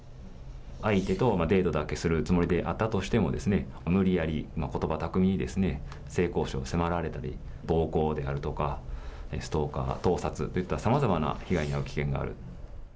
相手とデートだけするつもりで会ったとしても、無理やり、ことば巧みに性交渉を迫られたり、暴行であるとか、ストーカー、盗撮といったさまざまな被害に遭う危険がある。